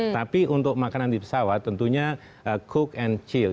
tapi untuk makanan di pesawat tentunya cook and chill